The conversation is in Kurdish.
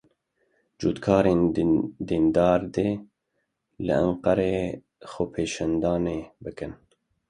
Cotkarên deyndar dê li Enqereyê xwepêşandanê bikin.